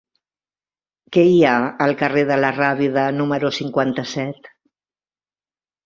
Què hi ha al carrer de la Rábida número cinquanta-set?